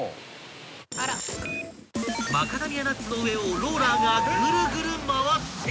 ［マカダミアナッツの上をローラーがぐるぐる回っている！］